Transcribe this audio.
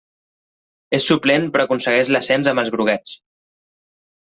És suplent, però aconsegueix l'ascens amb els groguets.